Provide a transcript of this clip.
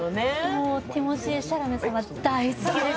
もうティモシー・シャラメ様大好きです！